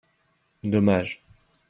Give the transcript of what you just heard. Dommage